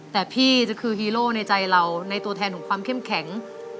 แต่พี่จะคือฮีโร่ในใจเราในตัวแทนของความเข้มแข็ง